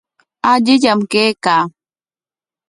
Allillam kaykaa.